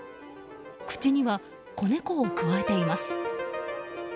口には子ネコをくわえています。